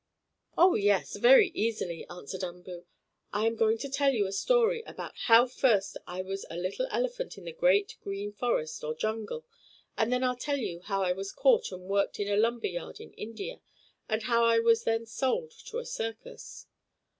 "Oh, yes, very easily," answered Umboo. "I am going to tell you a story about how first I was a little elephant in the great, green forest, or jungle, and then I'll tell you how I was caught, and worked in a lumber yard in India, and how I was then sold to a circus."